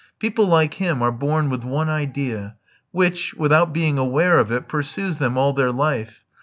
People like him are born with one idea, which, without being aware of it, pursues them all their life.